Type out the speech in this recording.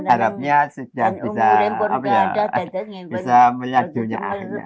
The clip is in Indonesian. harapnya bisa melihat dunia akhirnya